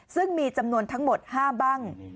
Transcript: ซึ่งมีจำนวนทั้งหมด๕บ้าง